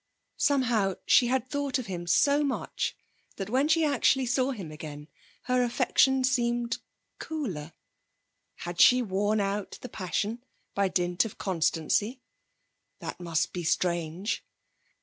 Somehow she had thought of him so much that when she actually saw him again her affection seemed cooler. Had she worn out the passion by dint of constancy? That must be strange.